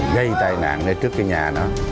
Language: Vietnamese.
gây tai nạn nơi trước cái nhà đó